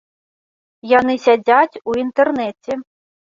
Яны сядзяць у інтэрнэце.